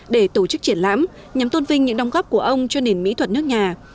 để tổ chức triển lãm nhằm tôn vinh những đồng góp của ông cho nền mỹ thuật nước nhà